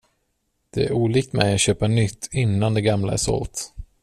Det är olikt mig att köpa nytt innan det gamla är sålt.